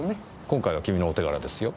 今回は君のお手柄ですよ。